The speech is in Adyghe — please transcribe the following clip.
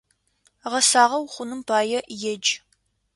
Гъэсагъэ ухъуным пае едж!